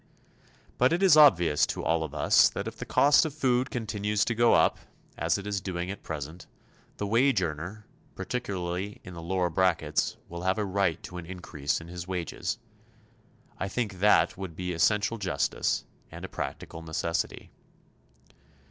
But it is obvious to all of us that if the cost of food continues to go up, as it is doing at present, the wage earner, particularly in the lower brackets, will have a right to an increase in his wages. I think that would be essential justice and a practical necessity.